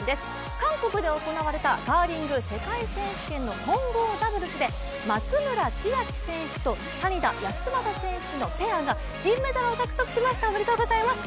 韓国で行われたカーリング世界選手権の混合ダブルスで松村千秋選手と谷田康真選手のペアが銀メダルを獲得しました、おめでとうございます。